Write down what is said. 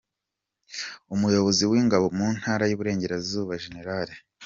Umuyobozi w’Ingabo mu ntara y’Iburengarazuba Gen.